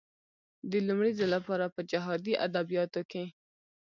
د لومړي ځل لپاره په جهادي ادبياتو کې.